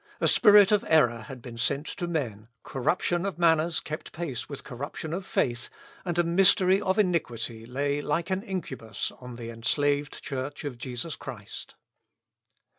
A spirit of error had been sent to men, corruption of manners kept pace with corruption of faith, and a mystery of iniquity lay like an incubus on the enslaved Church of Jesus Christ.